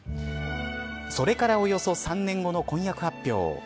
それからおよそ３年後の婚約発表。